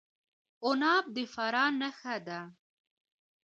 عناب د فراه نښه ده.